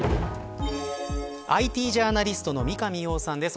ＩＴジャーナリストの三上洋さんです。